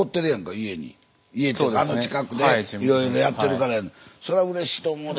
家っていうかあの近くでいろいろやってるからそらうれしいと思うで。